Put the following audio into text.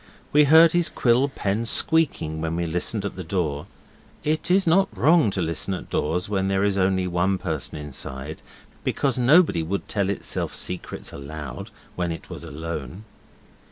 We heard his quill pen squeaking when we listened at the door. It is not wrong to listen at doors when there is only one person inside, because nobody would tell itself secrets aloud when it was alone.